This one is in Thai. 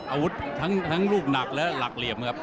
อาวุธทั้งลูกหนักและหลักเหลี่ยมครับ